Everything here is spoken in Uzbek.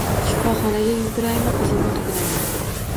Shifoxonaga yuguraymi, qizimni qidiraymi